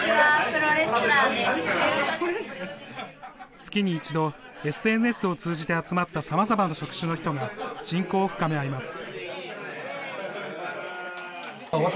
月に一度、ＳＮＳを通じて集まったさまざまな職種の人が親交を深め合います。